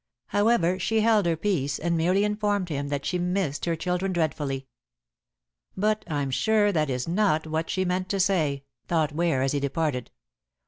However, she held her peace and merely informed him that she missed her children dreadfully. "But I'm sure that is not what she meant to say," thought Ware, as he departed.